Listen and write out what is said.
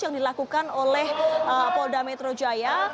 yang dilakukan oleh polda metro jaya